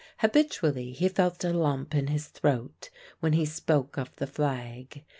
Habitually he felt a lump in his throat when he spoke of the Flag.